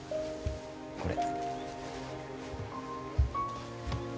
これ。